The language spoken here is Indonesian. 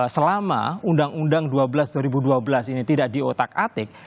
selama undang undang dua belas dua ribu dua belas ini tidak di otak atik